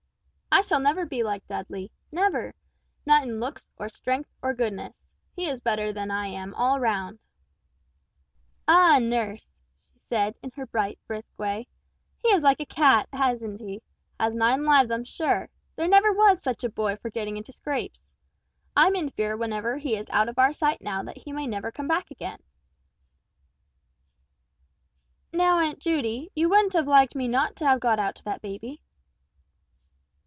"I shall never be like Dudley, never! Not in looks, or strength, or goodness. He is better than I am all round!" Miss Bertram came into the room at this moment. "Ah, nurse," she said, in her bright, brisk way; "he is like a cat, isn't he? Has nine lives, I'm sure. There never was such a boy for getting into scrapes. I'm in fear whenever he is out of our sight now that he may never come back again." "Now, Aunt Judy, you wouldn't have liked me not to have got out to that baby?"